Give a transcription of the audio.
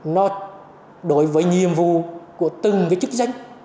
nó đối với nhiệm vụ của từng cái chức danh